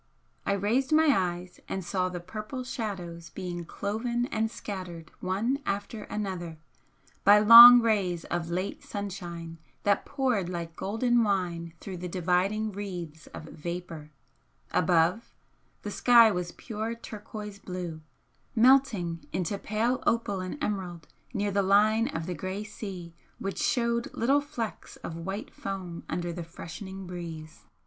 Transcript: I raised my eyes and saw the purple shadows being cloven and scattered one after another, by long rays of late sunshine that poured like golden wine through the dividing wreaths of vapour, above, the sky was pure turquoise blue, melting into pale opal and emerald near the line of the grey sea which showed little flecks of white foam under the freshening breeze.